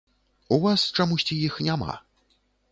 У вас чамусьці іх няма.